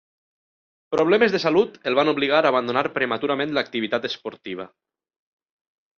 Problemes de salut el van obligar a abandonar prematurament l'activitat esportiva.